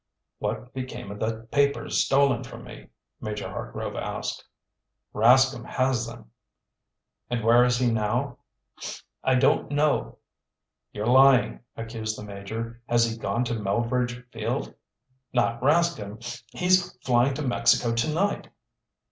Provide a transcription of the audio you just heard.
"What became of the papers stolen from me?" Major Hartgrove asked. "Rascomb has them." "And where is he now?" "I don't know." "You're lying," accused the Major. "Has he gone to Melveredge Field?" "Not Rascomb! He's flying to Mexico tonight."